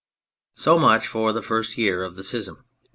So much for the first year of the schism.